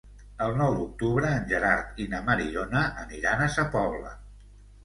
El nou d'octubre en Gerard i na Mariona aniran a Sa Pobla.